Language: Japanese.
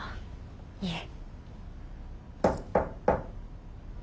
いえ。